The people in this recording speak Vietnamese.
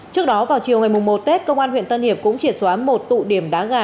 trước đó vào chiều ngày một tết công an huyện tân hiệp cũng triệt xóa một tụ điểm đá gà